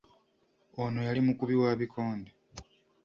Ono yali mukubi wa bikonde.